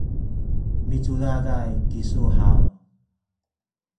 micudaday kisu haw?